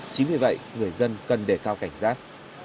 chính vì vậy người dân cần đề cao cảnh giác